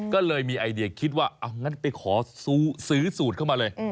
ก็เลยคิดว่าไปขอซื้อสูตรเข้ามาเลย